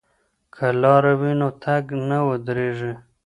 که لاره وي نو تګ نه ودریږي.